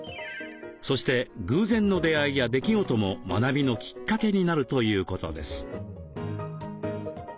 そして偶然の出会いや出来事も学びのきっかけになるということです。